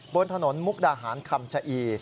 บนถนนมุกดาหารคำชะอี